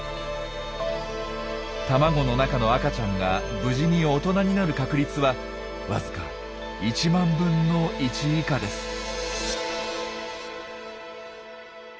卵の中の赤ちゃんが無事に大人になる確率はわずか１万分の１以下です。